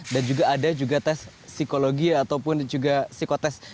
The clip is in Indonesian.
dan juga ada juga tes psikologi ataupun juga psikotest